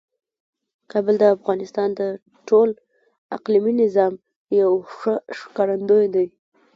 کابل د افغانستان د ټول اقلیمي نظام یو ښه ښکارندوی دی.